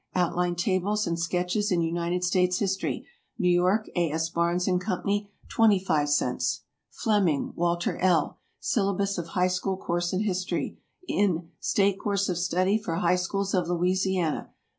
"Outline Tables and Sketches in United States History." New York, A. S. Barnes & Co. 25 cents. FLEMING, WALTER L. "Syllabus of High School Course in History," in "State Course of Study for High Schools of Louisiana."